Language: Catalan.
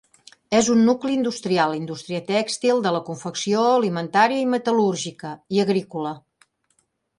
És un nucli industrial –indústria tèxtil, de la confecció, alimentària i metal·lúrgica– i agrícola.